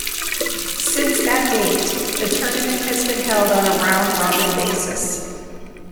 Since that date, the tournament has been held on a round-robin basis.